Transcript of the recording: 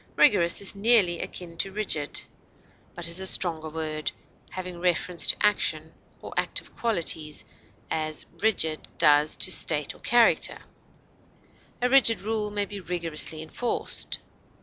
Rigorous is nearly akin to rigid, but is a stronger word, having reference to action or active qualities, as rigid does to state or character; a rigid rule may be rigorously enforced.